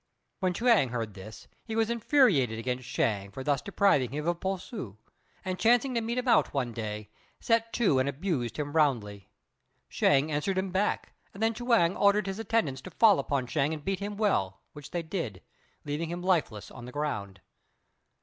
When Chuang heard this he was infuriated against Shêng for thus depriving him of Po ssŭ; and chancing to meet him out one day, set to and abused him roundly. Shêng answered him back, and then Chuang ordered his attendants to fall upon Shêng and beat him well, which they did, leaving him lifeless on the ground.